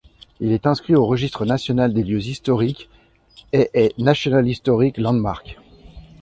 Il est inscrit au Registre national des lieux historiques et est National Historic Landmark.